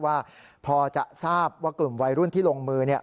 ว่าพอจะทราบว่ากลุ่มวัยรุ่นที่ลงมือเนี่ย